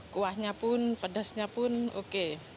kuahnya pun pedasnya pun oke